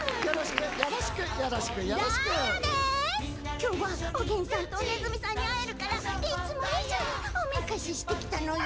きょうは、おげんさんとおねずみさんに会えるからいつも以上におめかししてきたのよ。